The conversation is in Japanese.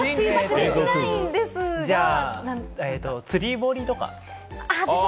じゃあ、釣り堀とか？